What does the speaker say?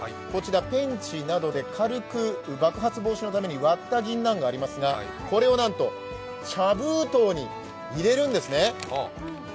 ペンチなどで爆発防止のために軽く割ったぎんなんがありますがこれをなんと茶封筒に入れるんですね。